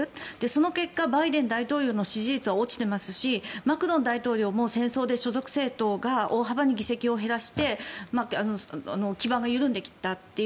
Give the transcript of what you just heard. その結果バイデン大統領の支持率は落ちていますしマクロン大統領も政争で所属政党が大幅に議席を減らして基盤が緩んできたと。